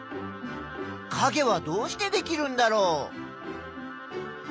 かげはどうしてできるんだろう？